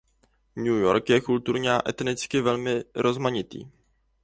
New York je kulturně a etnicky velmi rozmanitý.